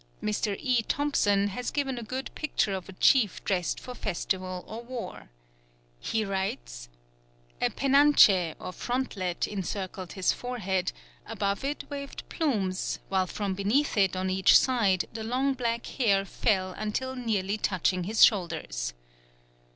Mr. E. Thompson has given a good picture of a chief dressed for festival or war. He writes: "A penanche or frontlet encircled his forehead, above it waved plumes, while from beneath it on each side the long black hair fell until nearly touching his shoulders.